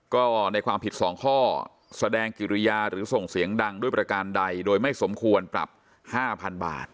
ก็ในความผิด๒ข้อแสดงกิริยาหรือส่งเสียงดังด้วยประการใดโดยไม่สมควรปรับ๕๐๐๐บาท